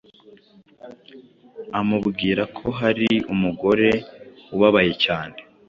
amubwira ko hari umugore ubabaye cyane